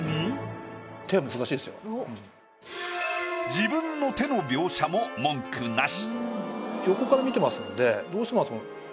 自分の手の描写も文句なし。